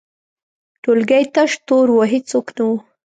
ټولګی تش تور و، هیڅوک نه وو.